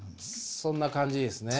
そんな感じですね。